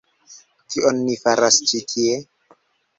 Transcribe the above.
Kion ni faras ĉi tie?